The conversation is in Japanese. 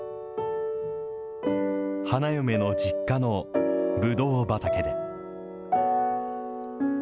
花嫁の実家のぶどう畑で。